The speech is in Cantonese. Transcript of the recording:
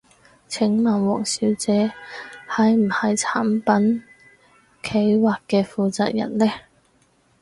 請問王小姐係唔係產品企劃嘅負責人呢？